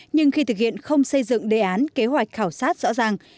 nhưng khi thực hiện không xây dựng đề án kế hoạch khảo sát rõ ràng